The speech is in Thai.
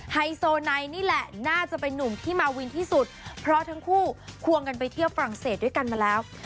ไฮโซไนนี่แหละน่าจะเป็นนุ่มที่มาวินที่สุดเพราะทั้งคู่ควงกันไปเที่ยวฝรั่งเศสด้วยกันมาแล้ว